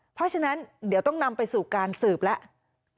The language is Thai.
เพราะฉะนั้นเดี๋ยวต้องนำไปสู่การสืบแล้ว